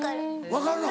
分かるの。